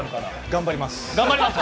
頑張ります。